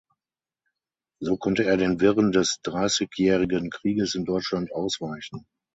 So konnte er den Wirren des Dreißigjährigen Krieges in Deutschland ausweichen.